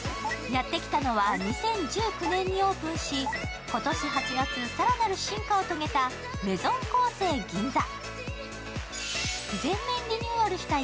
やってきたのは、２０１９年にオープンし今年８月、更なる進化を遂げたＭａｉｓｏｎＫＯＳＥ銀座。